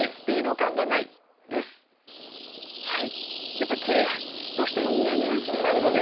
やっぱり切りがどうしても気になるので。